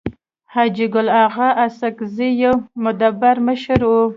حاجي ګل اغا اسحق زی يو مدبر مشر وو.